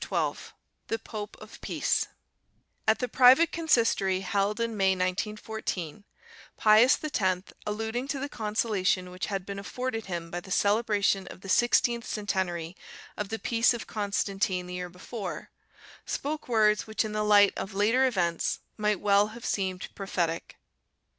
'" XII THE POPE OF PEACE At the private consistory held in May 1914, Pius X, alluding to the consolation which had been afforded him by the celebration of the sixteenth centenary of the Peace of Constantine the year before, spoke words which in the light of later events might well have seemed prophetic.